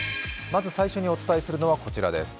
まず最初にお伝えするのはこちらです。